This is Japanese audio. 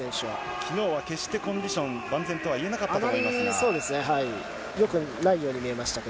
きのうは決してコンディション万全とは言えなかったと思いますが。